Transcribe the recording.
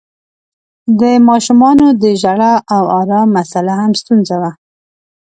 د ماشومانو د ژړا او آرام مسآله هم ستونزه وه.